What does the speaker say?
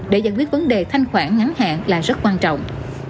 để giải quyết vấn đề thanh khoản ngắn hạn là rất quan trọng